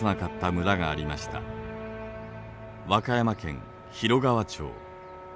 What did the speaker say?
和歌山県広川町。